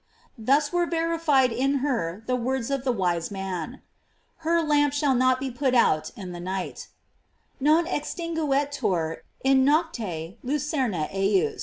f Thus were verified in her the words of the wise man: Her lamp shall not be put out in the night: "Non cxtingueturinnocte lucernaejus."